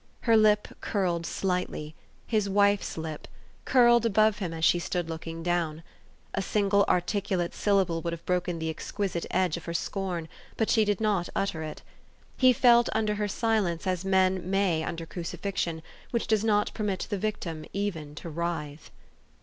Her lip curled slightly, his wife's lip, curled above him as she stood looking down. A single articulate syl lable would have broken the exquisite edge of her scorn ; but she did not utter it. He felt under her silence as men may under crucifixion, which does not permit the victim even to writhe.